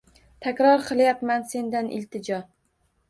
Takror qilayapman sendan iltijo